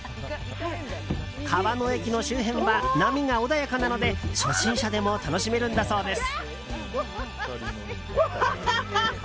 川の駅の周辺は波が穏やかなので初心者でも楽しめるんだそうです。